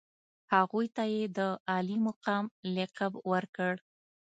هغوی ته یې د عالي مقام لقب ورکړ.